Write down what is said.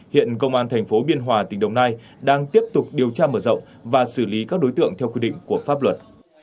hiện công an thành phố biên hòa tỉnh đồng nai đang tiếp tục điều tra mở rộng và xử lý các đối tượng theo quy định của pháp luật